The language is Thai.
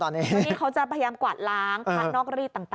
นี่เขาจะพยายามกวาดล้างพระนอกรีดต่าง